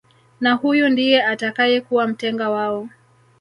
Na huyu ndiye atakayekuwa mtenga wao